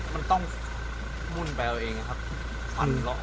มันต้องนี่นะครับอืม